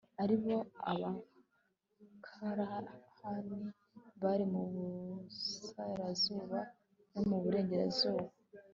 ari bo abakanahani bari mu burasirazuba no mu burengerazuba